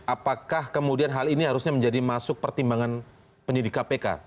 apakah kemudian hal ini harusnya menjadi masuk pertimbangan penyidik kpk